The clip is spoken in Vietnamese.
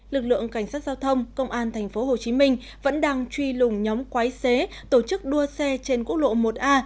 lực lượng cảnh sát giao thông công an tp hcm vẫn đang truy lùng nhóm quái xế tổ chức đua xe trên quốc lộ một a